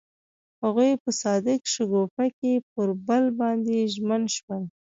هغوی په صادق شګوفه کې پر بل باندې ژمن شول.